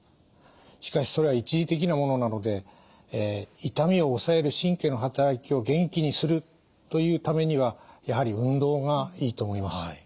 しかしそれは一時的なものなので痛みを抑える神経の働きを元気にするというためにはやはり運動がいいと思います。